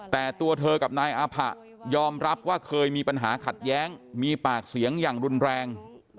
แต่ตัวเธอกับนายอาผะยอมรับว่าเคยมีปัญหาขัดแย้งมีปากเสียงอย่างรุนแรง